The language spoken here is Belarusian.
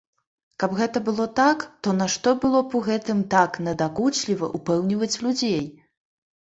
Каб гэта было так, то нашто было б у гэтым так надакучліва ўпэўніваць людзей?